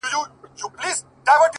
يو ليك’